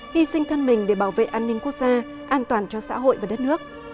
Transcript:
hy sinh thân mình để bảo vệ an ninh quốc gia an toàn cho xã hội và đất nước